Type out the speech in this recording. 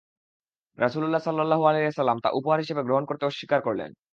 রাসূলুল্লাহ সাল্লাল্লাহু আলাইহি ওয়াসাল্লাম তা উপহার হিসাবে গ্রহণ করতে অস্বীকার করলেন।